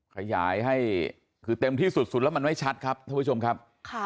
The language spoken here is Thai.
ขยายให้คือเต็มที่สุดแล้วมันไม่ชัดครับท่านผู้ชมครับ